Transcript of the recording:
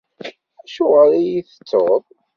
Acuɣer i iyi-tettuḍ?